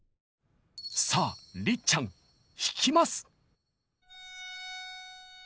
さありっちゃん弾きます！